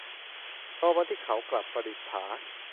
รอวันที่เขากลับ - ประดิษฐา